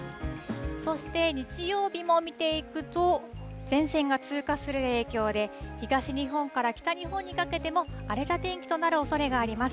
そして日曜日も見ていくと前線が通過する影響で東日本から北日本にかけても荒れた天気となるおそれがあります。